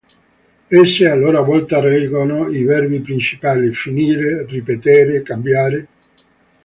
Esse a loro volta reggono i verbi principali: "finire", "ripetere", "cambiare".